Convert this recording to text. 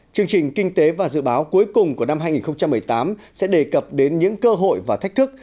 chương trình kinh tế và dự báo cuối cùng của năm hai nghìn một mươi tám sẽ đề cập đến những cơ hội và thách thức